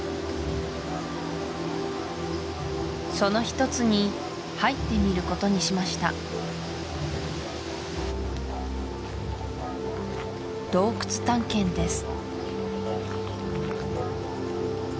その一つに入ってみることにしました洞窟探検です